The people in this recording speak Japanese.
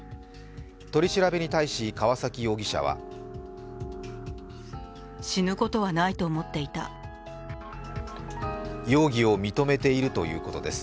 取り調べに対し川崎容疑者は容疑を認めているということです。